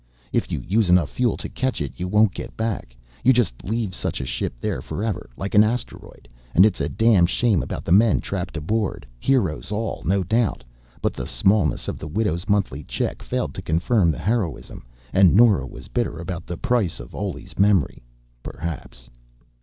If you use enough fuel to catch it, you won't get back. You just leave such a ship there forever, like an asteroid, and it's a damn shame about the men trapped aboard. Heroes all, no doubt but the smallness of the widow's monthly check failed to confirm the heroism, and Nora was bitter about the price of Oley's memory, perhaps.